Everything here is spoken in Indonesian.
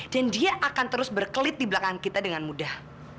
dan dia akan terus berkelit di belakang kita dengan mudah